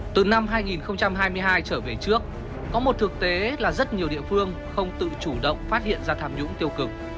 từ năm hai nghìn hai mươi hai trở về trước có một thực tế là rất nhiều địa phương không tự chủ động phát hiện ra tham nhũng tiêu cực